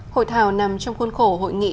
hội thảo nằm trong khuôn khổ hội nghị